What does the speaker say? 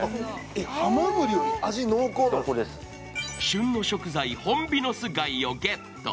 旬の食材、ホンビノスイガイをゲット。